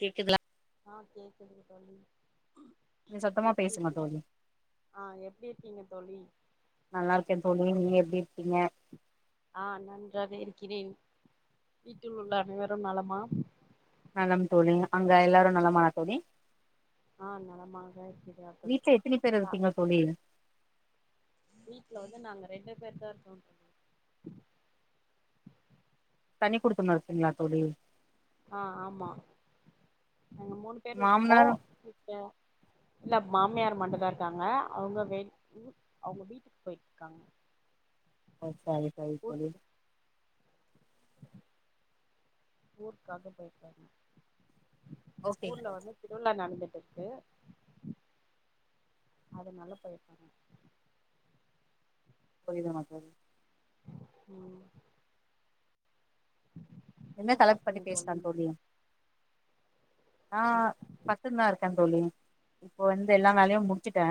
கேக்குதுல ஆ கேக்குது தோலி நீ சத்தமா எப்டி பேசுங்க இருக்கீங்க தோழி ஆ எப்டி இருக்கீங்க தோலி நல்லா இருக்கே தோலி நீங்க எப்டி இருக்கீங்க ஆ நன்றாக இருக்கிறேன் வீட்டில் உள்ள அனைவரும் நலமா தோலி அங்க எல்லாரு நலமா தோலி ஆ நலமாக இருக்குது எத்தினி பேர் அப்ப இருக்கீங்க தோழி வீட்ல வந்து நாங்க ரெண்டு பேர் தா இருக்குரோ தண்ணி குடுத்தனோ இருக்கீங்களா தோழி ஆ ஆமா நாங்க மூணு பேர் இருக்கோ மாமனார் இப்ப இல்ல மாமியார் மட்டு தா இருக்காங்க அவுங்க [unintelligible] அவுங்க வீட்டுக்கு போயிட்டு இருக்காங்க ஓ செரி செரி செரி ஊர்க்காக போயிருக்காங்க ஓகே ஊர்ல தோழி வந்து திருவிழா நடந்துட் [unintelligible] அதனாலே போயிருக்காங்க [unintelligible] உம் என்ன தலைப்பு பத்தி சாப்ட்டீங்க பேசலா தோழி தோலி நா ஆ பத்னு தா இருக்கே தோலி இப்போ வந்து எல்லா வேலையு முடிச்சுட்டே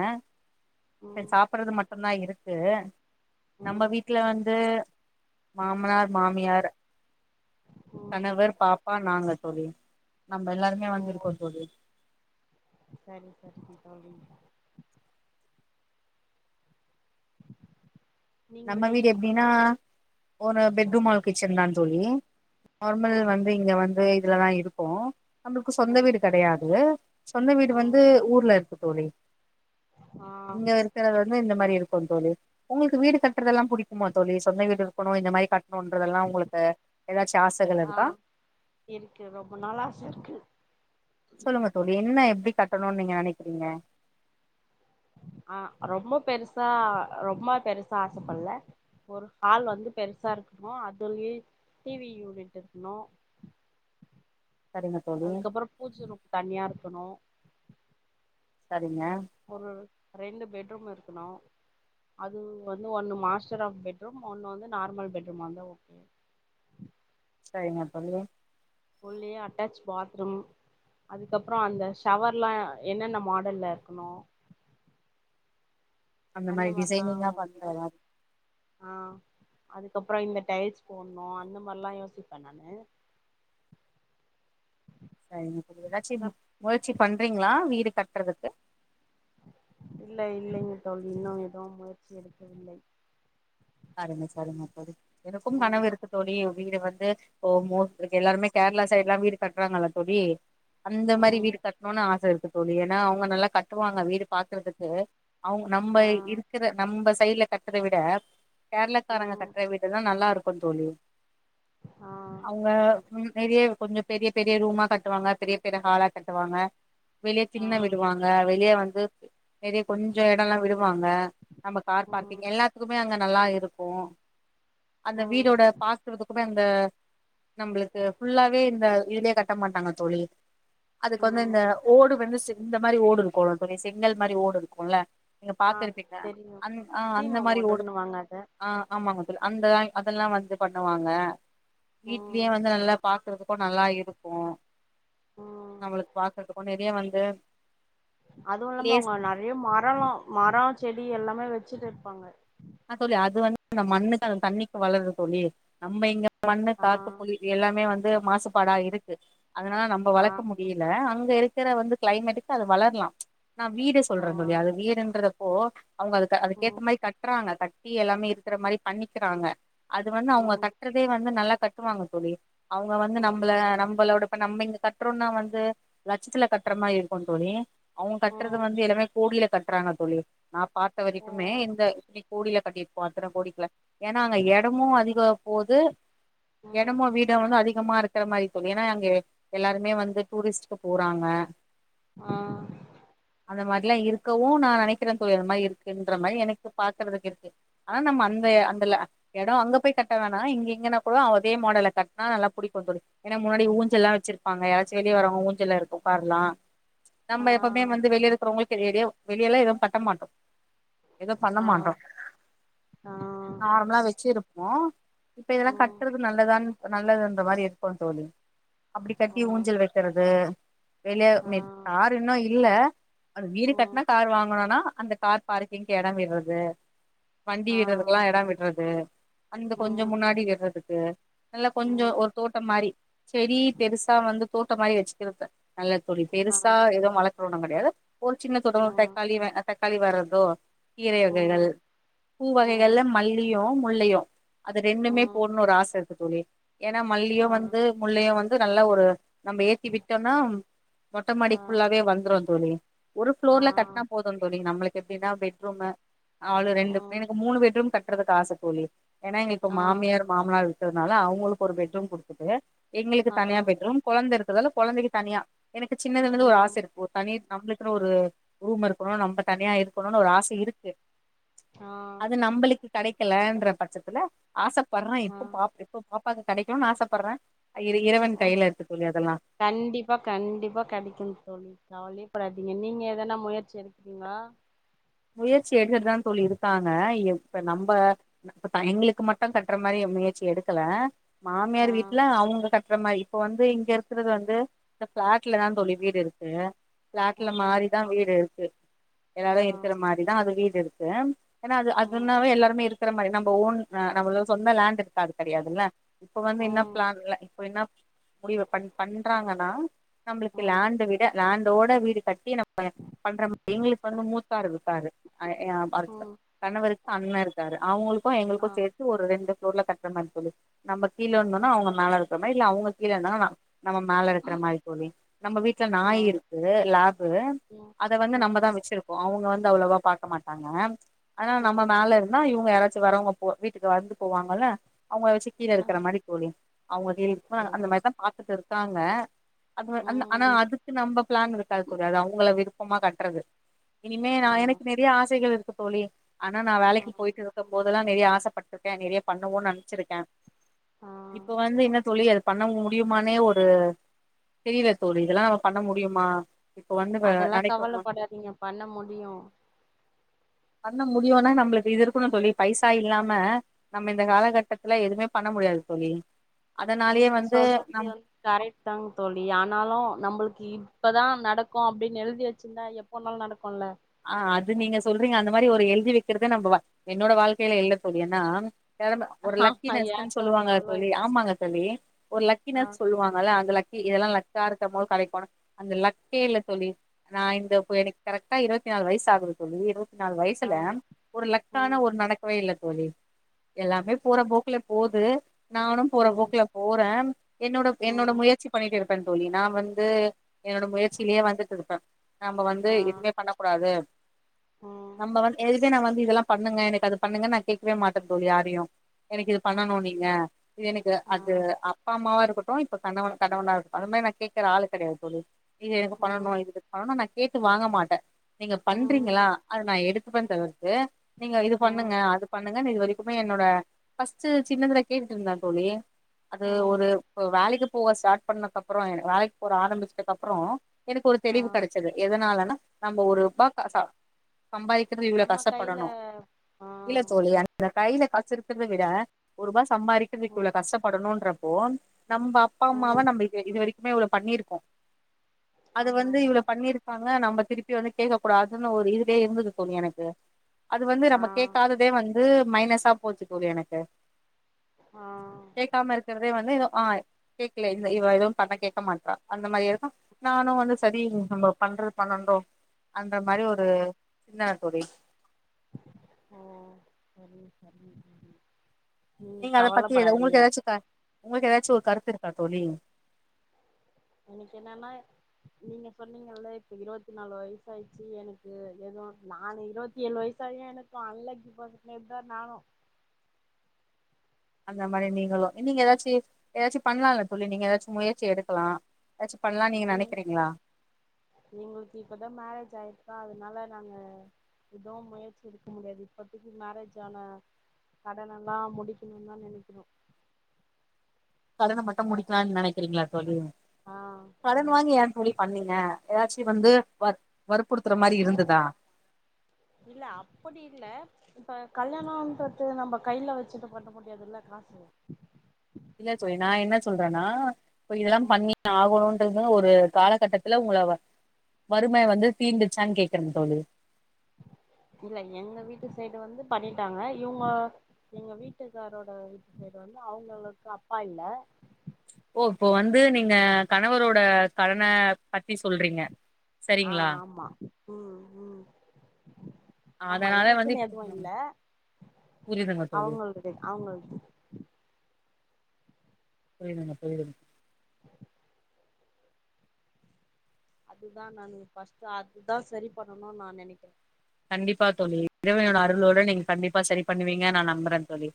இப்ப ம் சாப்டுறது மட்டும்தா இருக் [unintelligible] நம்ப ம் வீட்ல வந்து மாம்னார் மாமியார் ம் கணவர் பாப்பா நாங்க தோலி நம்ப எல்லாருமே வந்துருக்கோ தோலி செரி செரிங்க தோலி நீங்கள் நம்ம எங் வீடு எப்டின்னா ஒரு ம் பெட்ரூம் ஒரு கிச்சன் தான் தோழி நார்மல் ம் வந்து இங்க வந்து இதுலதான் இருக்கும் நம்முள்க்கு சொந்த ம் வீடு கிடையாது சொந்த வீடு வந்து ம் ஊர்ல இரு தோழி ஆ இங்க இருக்கிற மே இந்த மாதிரி இருக்கும் தோழி உங்களுக்கு வீடு கட்ட க்கிறதெல்லா பிடிக்குமா தோழி சொந்த வீடு இருக்கணு இந்த மாரி கட் தோன்றதெல்லாம் உங்களுக்கு ஏதாச்சும் ஆசைகள் ஆ இருக்கா இருக்கு ரொம்ப நாள் ஆச இருக்கு சொல்லுங்க தோழி என்ன எப்டி கட்டணுன்னு நீங்க நெனைக்கிறீங்க அஹ் ரொம்ப பெருசா ரொம்ப பெருசா ஆசைப்படல ஒரு ஹால் வந்து பெருசா இருக்கணும் அதுலயு டிவி யூனிட் இருக்கணும் சரிங்க தோழி அதுக்கப்புற பூஜ ரூம் தனியா இருக்கணு சரிங்க ஒரு ரெண்டு பெட்ரூம் இருக்கணு அது வந்து ஒண்ணு மாஸ்டர் ஆஃப் பெட்ரூம் ஒண்ணு வந்து நார்மல் பெட்ரூமா இருந்தா ஓகே [unintelligible] உள்ளயே அட்டாச் பாத்ரூம் அதுக்கப்றோ அந்த ஷவர்லா என்னென்ன மாடல்ல இருக்கணு அந்த மாதிரி டிசைனிங்கா பண்ற ஆஹ் அதுக்கப்புறம் இந்த டைல்ஸ் போண்ணு அந்த மாதிரல்லா யோசிப்பேன் நானு சரிங்க ஏதாச்சி முறச்சி பண்றீங்களா வீடு கட்றதுக்கு இல்ல இல்லைங்க தோழி இன்னு ஏதும் முயற்சி எடுக்கவில்லை சரிமா சரிமா இப்போதைக் எனக்கும் ம் கனவு இருக்கு தோழி வீடு வந் லேத் ஹோம் எல்லாருமே கேரளா சைடு் லாம் வீடு கட்டுறாங்கல்ல தோழி அந்த மாதிரி ம் வீடு கட்டணும்னு ஆசை இருக்குது தோழி ஏன்னா அவங்க நல்லா கட்டுவாங்க வீடு பாக்குறதுக்கு அவங்க நம்ப ஆ இருக்கிற நம்ப கைல கட்றத விட கேரளாக்காரங்க ம் கட்ற வீடு எல்லா நல்லா இருக் கொந்தோழி ஆ அவங்க உம் நெறைய கொஞ்ச பெரிய பெரிய ரூமா கட்டுவாங்க பெரிய பெரிய ஹாலா கட்டுவாங்க வெளியே ஆ திண்ண விடுவாங்க வெளியே வ இது நெறைய கொஞ்ச எடோ எல்லா விடுவாங்க நம்ம கார் ம் பார்க்கிங் எல்லாத்துக்குமே அங்க நல்லா இரு இருக்கு அந்த ம் வீடோட பாக்குறதுகு இந்த நம்மளுக்கு புல்லாவே இந்த இதுலயே கட்ட மாட்டாங்க தோழி அதுக்கு வந்து இந்த ம் ஓடு வந்துச் செ இந்த மாரி ஓடு இருக்கும் சொரி செங்கல் மாரி ஓடு இருக்குல நீங்க ஆ பாத்துருப்பீங்க தெரியு அந் ஆஹ அந்த சீம மாரி ஓடு ஓடுன்னுவாங்க அத ஆஹ ஆமாங்க தோழி அந்துலங் அந்த அதெல்லாம் வந்து பண்ணுவாங்க ம் வீட்லயே வந்து நல்லா பாக்குறது இப்ப நல்லா இருக்கும் ம் நம்மளுக்கு பாக்குறதுக்கு நேத் இப்பயே வந்து அதுவும் இல்லாம பிளேஸ் அவங்க நெறைய மரலாம் மரம் செடி அப்படி எல்லாமே வச்சிட்டு இருப்பாங்க ஆஹ தோழி அது வந்து அந்த மண்ணுக்கு தண்ணிக்கு வளறது சொல்லி நம்ம இங்க மண்ணு ஆ காத்து புளுதி இது எல்லாமே வந் அது மாசுபாடா இருக்கு அதனால நம்ம ஆ வளக்க முடியில அங்க இரு க்குர வந்து கிளைமேட்டுக்கு அது வளர்லாம் நான் வீட ஆ சொல்றேன் தோழி வீடுன்றத ஓ அவங்க அதுக் ம் அதுக்கேத்த மாதிரி கட் தட்டி எல்லாமே இருக்கிற மாரி பண்ணிக்கிறாங்க அது வந்து அவங்க ம் கட்டுறதே வந்து நல்லா கட்டுவாங்க தோழி அவங்க வந்து ம் நம்பள நம்பளோட இப்ப நம்ம இங்க கட்டுறோம்னா வந்து லச்சத்துல கட்டுற மாரி இருக்கும் தோழி அவங்க கட்டுறது ம் வந்து எல்லாமே கோகில கட்றாங்க தோழி நான் பாத்த வரைக்குமே ஓ இந்த கோடில கட்டிருப்போம் அத்தன கோடிகள ஏன்னா அங்க எடமும் அதிக போது ம் எடமோ வீட வந்து அதிகமா இருக்கு இருக்கிற மாரி தோழி ஏன்னா அங்க எல்லாருமே வந்து டூரிஸ்ட் போறாங்க ஆஹ் அந்த மாதிரிலாம் இருக்கவும் நினைக்கிறன் தொழில் அந்த மாதிரி இருக்குன்ற மாதிரி எனக்கு பாக்குறதுக்கு இருக்கு ஆனா நம்ம அந்த அந்த இடம் அங்க போய் கட்ட வேணா இங்க இங்கன்னா கூட அதே மாடலை கட்டனா நல்லா பிடிக்கும் வ சொ ஏன்னா முன்னாடி ஊஞ்சல்ல்லாம் வச்சிருப்பாங்க ஏயாச்சும் வெளியே வரவங்க ஊஞ்சல்ல இருக்கும் பாருலாம் ஆ நம்ம எப்பவுமே வந்து வெளியே இருக்கறவங்களுக்கு வெளியெல்லாம் எதுவும் கட்ட மாட்டோம் பண்ண ஆ மாட்டறோம் ஆ நார்மலா வச்சு இருப்ப ஆஹ இப்ப உ இதெல்லாம் கட்டுறது நல்லதான் நல்லதுன்ற மாதிரி இருக்கும் தோல அப்படி ஓ கட்டி ஊஞ்சல் வைக்கிறது வெளிய ஆ ம யாருமே இன்னும் இல்ல அது வீடு உ கட்டினா கார் வாங்கனும்னா அந்த கார் பார்கிங்க் இடம் அததே வண்டி ஆ விடுறதுக்குெல்லாம் இடம் விடுறது அந்த உ கொஞ்சம் முன்னாடி வர்றது ச நல்லா உ கொஞ்சம் ஒரு தோட்டம் மாதிரி செடி பெருசா வந்து தோட்ட மாதிரி வச்சுக்கிருப்பன் நல்ல தோழி ஆ பெருசா ஏதோ மழ போனும் கிடையாது ஒரு சின்ன ஆ தோட்ட தக்காளி களி வாரது கீரை உ வகைகள் பூ உ வகைகள்ல மல்லியும் முள்ளயோ அது உ ரெண்டுமே போடும்னு ஒரு ஆசை த ஏன்னா ஆ மல்லியும் வந்து முள்ளையும் வந்து நல்ல ஒரு நம்ம ஏத்தி விட்டோம்னா மொட்டை மாடி ஆ ஃபுல்லாவே வந்துரும் [inaudible] ஒரு ஆ பஃப்ளோர்ல கட்டினா போதும் சொல்லிங்க நம்மளுக்கு எப்படினா ரொம அவ்வள உ ரெண்டுபே எனக்கு மூணு பெட்ரூம் கட் கட்றதுக் காச கூலி ஏன்னா இங்க இப்ப ஆ மாமியார் மாமனார் இருக்கறனால அவங்களுக்கு ஒரு பெட்ரூம் கொடுத்துட்டு எங்களுக்கு ஆ தனியா பெட்ரூம் கெழந்தை இருக்கு அதெல்லாம் கெழந்தைக்கு தனியா எனக்கு சின்னதுல உ இருந்து ஒரு ஆச இருக்கும் ஒருதனி நம்மளுக்குன்னு ஒரு ரூம் இருக்கணும் நம்ம தனியா இருக்கணும்னு ஒரு ஆச இருக்கு ஆ அது நம்மளுக்கு கிடைக் கெடைக்கலன்ற பட்சத்துல ஆச வரான் ஆ இப்ப பாப்ப பா இப்ப கெடைக்கும்னு ஆசைப்படுறேன் ஓ கண்டிப்பா கண்டிப்பா கெடைக்கும் தோணு நாவழிப்படாதீங்க நீங்க எதன முயற்சி எக்கிறீங்கள முயற்சி எடுத்துதான் தோழி இருக்காங்க இப்ப நம்ம எங்களுக்கு மட்டும் தட்டுற மாரி முயற்சி எடுக்கல மாமியார் ஆ வீட்டுல அவங்க கட்ட அப்புறமாிரி இப்ப வந்து இங்க இருக்கறது வந்து இந்த பிளாட்லதான் தோழி வீடு இருக்கு உ பிளாட்ல மாறிதான் வீடு [inaudible] ஆ ஏதாலும் இருக் இததான் அது வீடு இருக்கு ஏன்னா அது உ அதுனாவே எல்லருமே இருக்கு இருக்கிற மாரி நம்மன் நம்மள சொந்த லேன்டூஇருக்காது கிடாதுல்ல இப்ப வந்து உ என்ன பிளான்ல்ல இப்ப என்ன முடிவு பண் பண்றாங்கன்னா நம்பளுக்கு உ லாண்ட விட லா இதோட வீடு கட்டி நம் பண்ற மாரி எங்களுக்கு வந்து மூத்த பாருக பாரு ஏ உ அதுகணவருக்கு அண்ணன் இருக்காரு அவங்களுக்கும் ஆ எங்களுக்கும் சேர்த்து ஒரு ரெண்டு உங்க ஊர்ல கட்டறதனு தொழில் நம்ம கீழ உ இருந்தோனா அவங்க மேல இருக்கும் இல்ல அவங்க கீழன்னா நா நம்ம மேல இருக்கற மாரி தோழி நம்ம வீட்ல ஆ நாய் இருக்கு லாப்பு உ அத வந்து உ நம்மதா வச்சிருக் அவங்க வந்து அவ்ளவா பாக்க மாட்டாங்க ஆனா நம்ம ம் மேல இருந்தா இவங்க யாராச் ச்சு வரவங்க போ வீட்டுக்கு வந்து போவாங்கல்ல அவங்க வச்சு கீழ ஆ இருக்கிற மாரி தோழி அவங்க கீழ இருக்க அந்த மாரிதா பாத்துக்கறது தாங்க அது அன் ஆனா ம் அதுக்கு நம்ப பிளான் இருக்காது தோழி அது அவங்கள விருப் ப்பமா கட்றது இனிமே நா ஆ எனக்கு நெறைய ஆசைகள் இருக்கு தோழி ஆனா நான் ஆ வேலைக்கு போயிட்டு இருக்கும் போதெல்லா நெறைய ஆசைப்பட்ருக்கே நெறைய பண்ணுவோன்னு நெனச்சிருக்கே ஆ இப்ப வந்து இன்னு [unintelligible] பண்ண முடியுமான்னே ஒரு தெரியில தோழி இதெல்லா நம்ம பண்ண முடியுமா இப்ப வந்து அதெல்லா நடக்க கவலைப்படாதீங்க பண்ண முடி டியும் பண்ண முடியும்னா நம்மளுக்கு இது இருக்குனு தோழி பைசா இல்லாம நம்ம இந்த காலகட்டத்துல எதுவுமே பண்ண முடியாது தோழி அதனாலயே நீங்க வந்து சொல்றது நம் வந்து கரெக்ட்தாங்க தோழி ஆனாலு நம்மளுக்கு இது இப்பதா நடக்கு அப்டின்னு எழுதி வச்சிருந்தா எப்பனாலு நடக்கும்ல ஆஹ் அது நீங்க சொல்றீங்க அந்த மாரி ஒரு எழுதி வைக்கிறது நம்ப என்னோட வாழ்க்கையில இல்ல தோழி ஏன்னா நெலம ஒரு லக்கி ஆமா ஏ நெஸ்ட்னு சொல்லுவாங்க அவ்ளோ தோழி ஆமாங்க தோழி ஒரு ஆ லக்கினஸ் சொல்லுவாங்கல்ல அந்த லக் இ இதெல்லாம லக்கா இருக்கும்போது கெடைக்கணு அந்த லக்கே இல்ல தோழி நா இந்த இப்ப எனக்கு கரெக்டா இருபத்தி த்தி நாலு வயசாகுது தோழி இரு நாலு ஆ வயசுல ஒரு லக்கான ம் ஒரு நடக்கவேல்ல தோழி எல்லாமே போற போக்குல போகுது நானும் போற ம் போக்குல போறே என்னோட என்னோட ம் முயற்சி பண்ணிட்டு இரு ப்பே தோழி நா வந்து என்னோட முயற்சியிலயே வந்துட்டு இருப்பே நம்ம வந்து ஆ எதுவுமே பண்ண அது ம் நம்ம வந் எதுமே நா வந்து இதெல்லா பண்ணுங்க எனக்கு அது பண்ணுங்க நான கேடக்கவே மாட்டேன்தோழி யாரையும் எனக்கு இது ஆ பண்ணணும் நீங்க இது எனக்கு ஆ அது அப்பா அம்மாவா இருக்க இப்ப கவ கனவனா அந்த மாரி நான கேக்குற ஆள் கெடையாதுதோழி இய எனக்கு ம் பண்ணணும் இது பண்ணும் ந கேட்டு வாங்க மாட்டேன் நீங்க பண்றீங்களா ம் அதது நான எடுத்து பந்த வ நீங்க இது ம் பண்ணுங்க அது பண்ணுங்க இது வரைக்குமே என்னோட பஸ் சின்னதுல கேட்டுட்டு இருந்தான் தோழி அது ம் ஒரு இப்ப வேலக்கு பூக ஸ்டார்ட் பண்ணதுக்க அப்பறம் வேலக்கு போக ஆரம்பிச்சது அப்பறம் எனக்கு ஒரு ஆ தெளிவு கெடைச்சது எதனாலனா நம்ம ஒரு ரூபா சம்பாதிக்கிறது இவ்வளவு நம்ம கைல கஷ்டப்படணும் ஆ இல்ல தோழிய அ அ கையில க இருக்கறத விட ஒருரூபா சம்பாதிக்கிறதுக்கு ம் இவ்வள கஷ்டப்படணும்ன்ற போன் நம்ம அப்பா அம்மாவா ம் நம்ம இது வரைக்கும் இவ்வளவு பண்ணிருக்கோம் அது ஆமா வந்து ஆமா இவ்ள பண்ணிருக்காங்க நம்ம இப்பி வந்து கே்க கூடாதுன்னு ஒரு இதுலயே இருந்தது தோழி எனக்கு அது வந்து நம்ம ஆ கேடக்காததே வந்து அ மைனஸா போச்சுக்க எனக்கு ஆ கேட்காம இருக்கிறதே வ ஆ கேக்கல இந்த இவ எதுவும் பண்ண கேட்க மாட்டறா அந்த மாரி இருக்கும் நானும் வந்து சரி நம்ம பண்றது பண்ணும் அன்ற மாரி ஒரு சிந்தனை தொழி ம் செரி செரி நீங்க அத பத்தி உங்களுக்கு ஏதாச்சும் உங்களுக்கு ஏதாச்சும் ஒரு கருத்து இருக்கா தோழி எனக்கு என்னன்னா நீங்க சொன்னீங்க இப்ப இருபத்தி நாலு வயச ஆடுச்சு எனக்கு ஏதுவும் நானு இருபத்தி ஏழு வயசாயா எனக்கும் அன்லக்கி பச எப்தான் நானும் அந்த மாரி நீங்களும் நீங்க ஏதாச்சும் ஏதாச்சும் பண்ணலாம்ல தோழி நீங்க ஏதாச்சும் முயற்சி எடுக்கலாம் எங்களுக்கு இப்பதான் மேரேஜ் ஆயிருப்பா அது அதனால நாங்க எதுவும் முயற்சி எடுக்க முடியாது இப்பத்தக்கு மேரேஜ் ஆன கடனை எல்லாம் முடிக்கணும்னு தான் நினைக்கிறோம் கடனை மட்டும் முடிக்கலாம்னு நினைக்கிறீங்களா தோழி ஆ கடன் ஆமா வாங்கி ஏன் தோழி பண்ணீங்க ஏதாச்சும் வந்து வ வற்புடுத்துற மாரி இருந்ததா இல்ல அப்புடி இல்ல இப்ப கல்யாணம்றது நம்ம கையில வச்சுட்டு பண்ண முடியாது இல்ல காசு இல்ல தோழ நான் என்ன சொல்றேனா இப்ப இதெல்லாம் ம் பண்ணி ஆகணுறது ஒரு காலகட்டத்துல உங்களை வறுமை வந்து தீண்டுச்சான்னு கேக்குறேன் தோழி இல்ல எங்க வீட்டு சைடு வந்து பண்ணிட்டாங்க இவங்க எங்க வீட்டுக்காரோட வீட்டு சைடு வந்து அவுங்களுக்கு அப்பா இல்ல ஓ இப்போ வந்து நீங்க கணவரோட கடன பத்தி சொல்றீங்க ஆ சரிங்களா ஆமா உம் உம் ஆமா அதனால வந்து எனக்குன்னு எதுவு இல்ல புரியுதுங்க தோழி அவுங்களுது அவுங்களுது போயிடுங்க போயிடுங்க [inaudible] அதுதான் நான் பஸ்ட் அதுதான் சரி பண்ணணும்னு நான் நெனைக்கிறேன் கண்டிப்பா தோழி இறைவன்னோட அருளோட நீங்க கண்டிப்பா சரி பண்ணுவீங்க நான் நம்புறேன் தோழி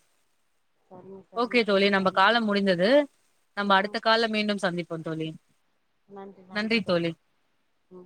சரிங்க சரிங்க ஓகே தோழி நம்ப நன்றி காலு முடிந்தது நம்ம ம் அடுத்த கால்ல மீண்டும் சந்திப்போ தோழி நன்றி தோழி ம்